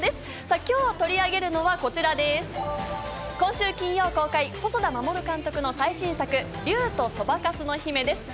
今日取り上げるのは今週金曜日公開、細田守監督の最新作『竜とそばかすの姫』です。